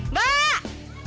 iya gak yuk